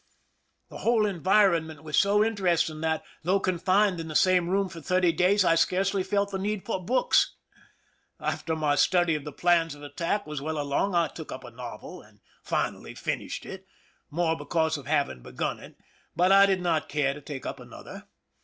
The whole environment was so interesting that, though confined in the same room for thirty days, I scarcely felt the need for books. After my study of the plans of attack was well along, I took up a novel, and finally finished it, more because of hav ing begun it ; but I did not care to take up another.